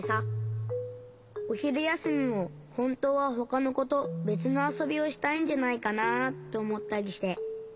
おひるやすみもほんとうはほかのことべつのあそびをしたいんじゃないかなとおもったりして。